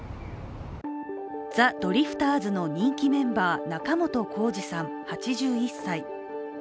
ザ・ドリフターズの人気メンバー仲本工事さん、８１歳。